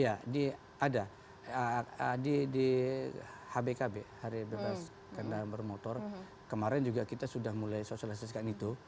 ya ada di hbkb hari bebas kendaraan bermotor kemarin juga kita sudah mulai sosialisasikan itu